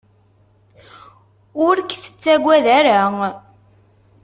Ur k-tettagad ara.